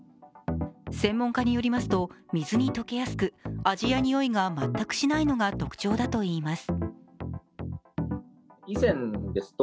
専門家によりますと、水に溶けやすく味やにおいが全くしないのが特徴だといいます。